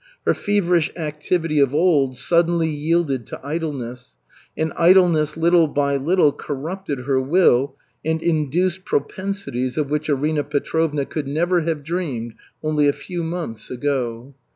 Her feverish activity of old suddenly yielded to idleness, and idleness little by little corrupted her will and induced propensities of which Arina Petrovna could never have dreamed only a few months ago.